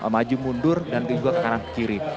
maju mundur dan juga ke kanan kiri